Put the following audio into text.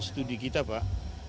studi kita pak